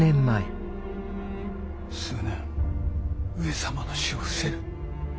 数年上様の死を伏せる。